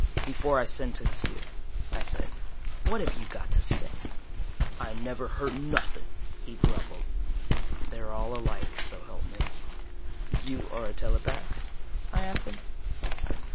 "Before I sentence you," I said. "What have you got to say?" "I never hurt nothin'," he grumbled. They're all alike, so help me. "You are a telepath?" I asked him.